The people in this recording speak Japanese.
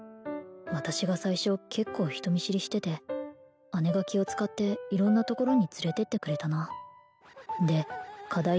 私が最初結構人見知りしてて姉が気を使って色んなところに連れてってくれたなで課題